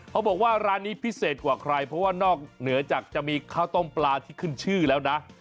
เขาบอกว่าร้านนี้พิเศษกว่าใครเพราะว่านอกเหนือจากจะมีข้าวต้มปลาที่ขึ้นชื่อแล้วนะ